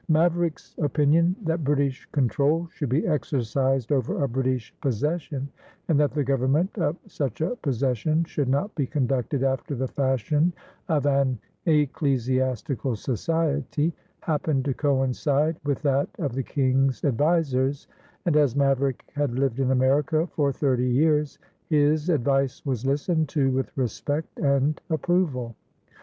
Maverick's opinion that British control should be exercised over a British possession and that the government of such a possession should not be conducted after the fashion of an ecclesiastical society happened to coincide with that of the King's advisers and, as Maverick had lived in America for thirty years, his advice was listened to with respect and approval.